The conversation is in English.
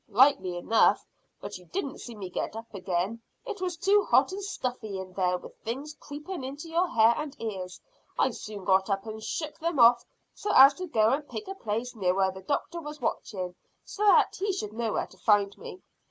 "Likely enough, but you didn't see me get up again. It was too hot and stuffy in there, with things creeping into your hair and ears. I soon got up and shook them off so as to go and pick a place near where the doctor was watching, so that he should know where to find me.